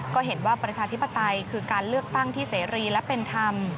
ก็เห็นว่าประชาธิปไตยคือการเลือกตั้งที่เสรีและเป็นธรรม